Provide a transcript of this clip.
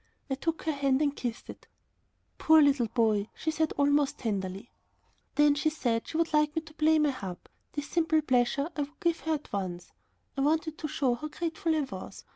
I took her hand and kissed it. "Poor little boy!" she said, almost tenderly. She had said she would like me to play my harp: this simple pleasure I would give her at once. I wanted to show how grateful I was.